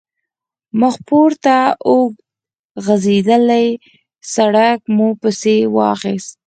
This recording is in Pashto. مخپورته اوږد غځېدلی سړک مو پسې واخیست.